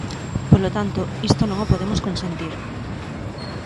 Polo tanto, isto non o podemos consentir.